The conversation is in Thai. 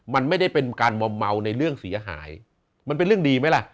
มันไม่ได้เป็นการมอมเมาในเรื่องเสียหายมันเป็นเรื่องดีไหมล่ะ